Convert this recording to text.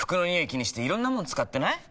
気にしていろんなもの使ってない？